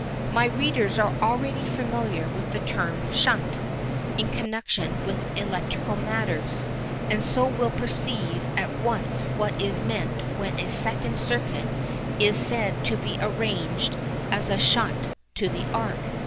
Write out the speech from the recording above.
My readers are already familiar with the term "shunt" in connection with electrical matters, and so will perceive at once what is meant when a second circuit is said to be arranged as a shunt to the arc.